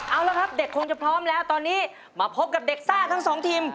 เอาละครับเด็กคงจะพร้อมแล้วตอนนี้มาพบกับเด็กซ่าทั้งสองทีม